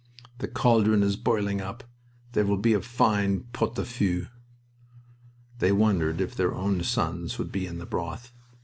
"The caldron is boiling up... There will be a fine pot au feu." They wondered if their own sons would be in the broth.